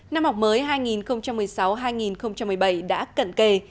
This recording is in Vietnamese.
năm học mới hai nghìn một mươi sáu hai nghìn một mươi bảy đã cận kề